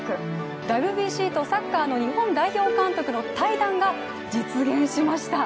ＷＢＣとサッカーの日本代表監督の対談が実現しました。